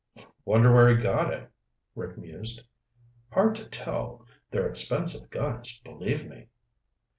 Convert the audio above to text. "Wonder where he got it," Rick mused. "Hard to tell. They're expensive guns, believe me."